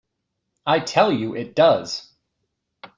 I tell you it does.